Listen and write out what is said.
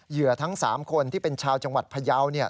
เหยืทั้ง๓คนที่เป็นชาวจังหวัดพยาว